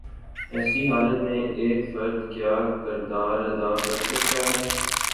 ایسی حالت میں ایک فرد کیا کردار ادا کر سکتا ہے؟